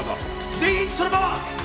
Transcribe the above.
全員そのまま！